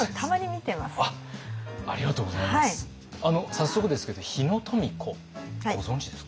早速ですけど日野富子ご存じですか？